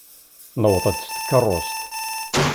Newweḍ-d s tkeṛṛust.